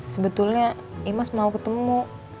sebetulnya imas mau ketemu